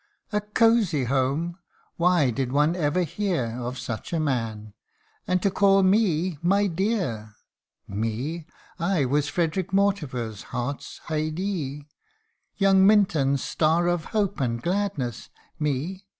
' A coxy home !' why, did one ever hear Of such a man ? and, to call me " my dear :" Me I was Frederick Mortimer's hearfs Haidee ; Young Minion's star of hope and gladness me